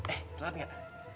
eh terlihat nggak